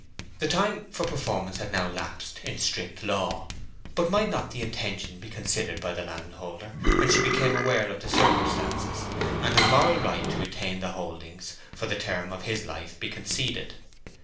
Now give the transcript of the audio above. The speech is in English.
The time for performance had now lapsed in strict law; but might not the intention be considered by the landholder when she became aware of the circumstances, and his moral right to retain the holdings for the term of his life be conceded?